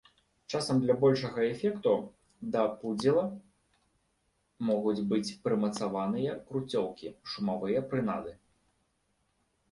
Часам для большага эфекту да пудзіла могуць быць прымацаваныя круцёлкі, шумавыя прынады.